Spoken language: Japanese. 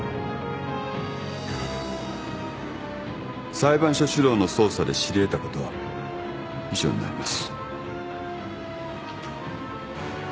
裁判所主導の捜査で知り得たことは以上になります。